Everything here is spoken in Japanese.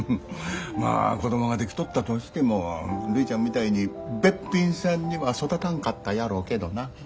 まあ子供が出来とったとしてもるいちゃんみたいにべっぴんさんには育たんかったやろうけどな。